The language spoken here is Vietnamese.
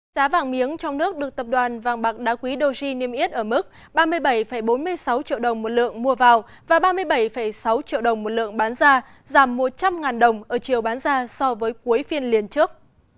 giá vàng miếng trong nước được tập đoàn vàng bạc đá quý doji niêm yết ở mức ba mươi bảy bốn mươi sáu triệu đồng một lượng mua vào và ba mươi bảy sáu triệu đồng một lượng bán ra giảm một trăm linh đồng ở chiều bán ra so với cuối phiên liên trước